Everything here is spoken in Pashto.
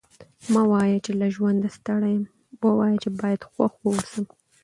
مه وايه! چي له ژونده ستړی یم؛ ووايه چي باید خوښ واوسم.